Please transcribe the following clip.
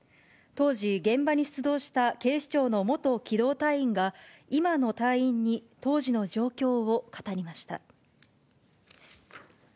当時、現場に出動した警視庁の元機動隊員が、今の隊員に当時の状況を語りました。